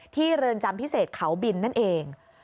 เรือนจำพิเศษเขาบินนั่นเอง